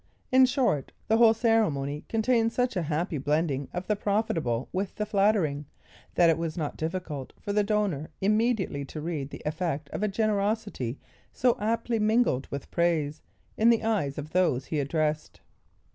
In short, the whole ceremony contained such a happy blending of the profitable with the flattering, that it was not difficult for the donor immediately to read the effect of a generosity so aptly mingled with praise, in the eyes of those he addressed.